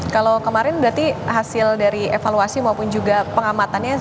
kalau kemarin berarti hasil dari evaluasi maupun juga pengamatannya